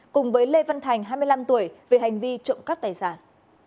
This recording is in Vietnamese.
cùng với lê văn thành hai mươi năm tuổi về hành vi trộm cắp tài sản